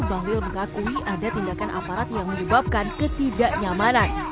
bahlil mengakui ada tindakan aparat yang menyebabkan ketidaknyamanan